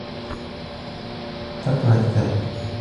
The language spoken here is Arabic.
تركتها تذهب.